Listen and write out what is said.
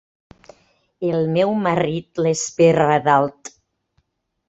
El meu marrit l'esperra dalt.